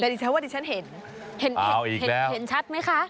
แต่ดิฉันว่าดิฉันเห็นอ้าวอีกแล้วเห็นชัดไหมคะ